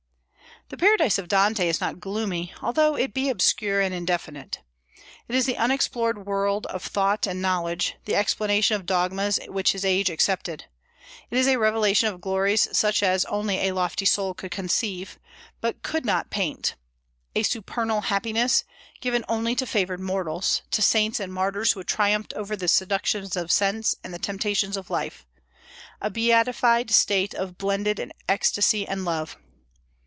The Paradise of Dante is not gloomy, although it be obscure and indefinite. It is the unexplored world of thought and knowledge, the explanation of dogmas which his age accepted. It is a revelation of glories such as only a lofty soul could conceive, but could not paint, a supernal happiness given only to favored mortals, to saints and martyrs who have triumphed over the seductions of sense and the temptations of life, a beatified state of blended ecstasy and love.